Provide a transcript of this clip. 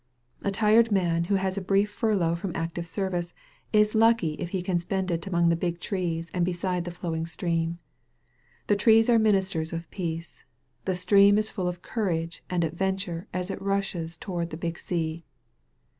A tired man who has a brief furlough from active service is lucky if he can spend it among the big trees and beside a flowing stream. The trees are ministers of peace. The stream is full of courage and adventure as it rushes toward the big sea.